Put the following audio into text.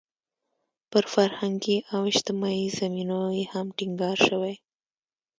پر فرهنګي او اجتماعي زمینو یې هم ټینګار شوی.